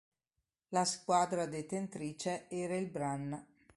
La squadra detentrice era il Brann.